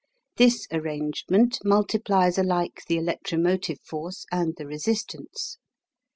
This arrangement multiplies alike the electromotive force and the resistance.